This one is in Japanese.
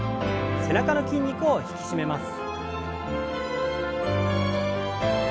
背中の筋肉を引き締めます。